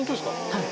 はい。